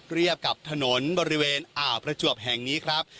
เรียบกับถนนบริเวณอาพระจวบแห่งนี้ครับ